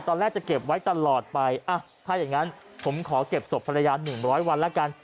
ตอนแรกจะเก็บไว้ตลอดไปถ้าอย่างนั้นผมขอเก็บศพภรรยา๑๐๐วันแล้วกัน